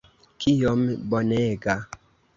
Kiom bonega!